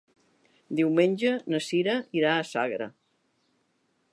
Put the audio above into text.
Diumenge na Cira irà a Sagra.